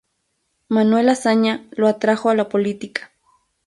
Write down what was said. Manuel Azaña lo atrajo a la política.